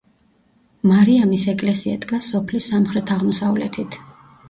მარიამის ეკლესია დგას სოფლის სამხრეთ-აღმოსავლეთით.